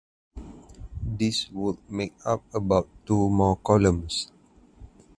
This would make up about two more columns.